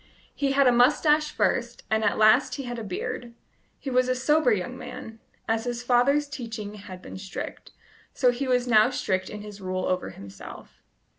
He had a moustache first, and at last he had a beard. He was a sober young man: as his father's teaching had been strict, so he was now strict in his rule over himself.